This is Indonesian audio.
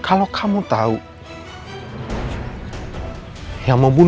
apa kamu tega